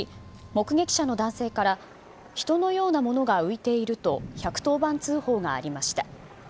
目撃者の男性から人のようなものが浮いていると１１０番通報がありました。